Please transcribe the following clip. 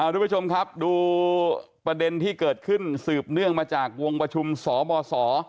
ทุกผู้ชมครับดูประเด็นที่เกิดขึ้นสืบเนื่องมาจากวงประชุมสบส